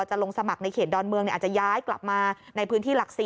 ลงสมัครในเขตดอนเมืองอาจจะย้ายกลับมาในพื้นที่หลัก๔